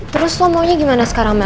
terus lo maunya gimana sekarang mak